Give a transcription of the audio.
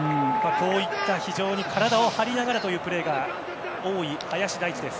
こういった、非常に体を張りながらというプレーが多い林大地です。